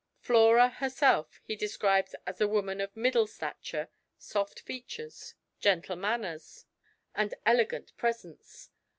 Flora herself he describes as a woman of middle stature, soft features, gentle manners, and elegant presence.